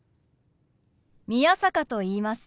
宮坂と言います。